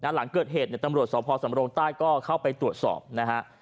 หลังเกิดเหตุตำรวจสพสำรงใต้ก็เข้าไปตรวจสอบนะฮะ